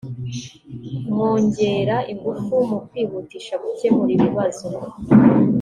mwongerea ingufu mu kwihutisha gukemura ibibazo